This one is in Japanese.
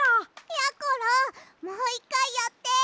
やころもう１かいやって！